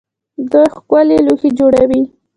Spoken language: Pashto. دوی ښکلي لوښي جوړوي.